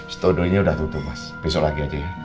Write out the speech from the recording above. stodo nya udah tutup mas besok lagi aja ya